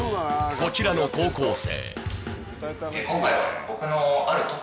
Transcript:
こちらの高校生。